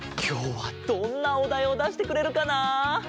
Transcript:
きょうはどんなおだいをだしてくれるかな？